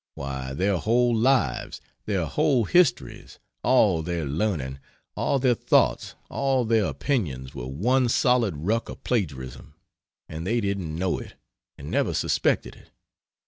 Why, their whole lives, their whole histories, all their learning, all their thoughts, all their opinions were one solid ruck of plagiarism, and they didn't know it and never suspected it.